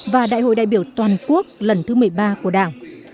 và đại hội đại biểu toàn quốc lần thứ một mươi ba của đảng